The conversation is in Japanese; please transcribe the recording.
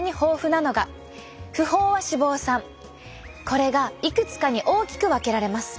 これがいくつかに大きく分けられます。